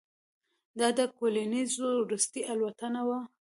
دا د کولینز وروستۍ الوتنه وه.